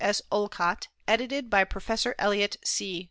S. Olcott, edited by Prof. Elliott C.